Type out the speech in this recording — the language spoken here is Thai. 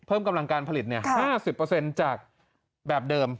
เพิ่มกำลังการผลิต๕๐จากแบบเดิม